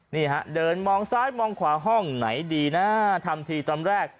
นี่ฮะเดินมองซ้ายมองขวาห้องไหนดีนะทำทีตอนแรก